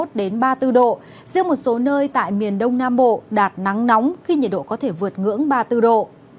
riêng ba số nơi tại miền đông nam bộ đạt nắng nóng khi nhiệt độ có thể vượt ngưỡng ba mươi bốn độ